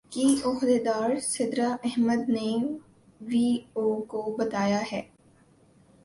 کی عہدیدار سدرا احمد نے وی او کو بتایا ہے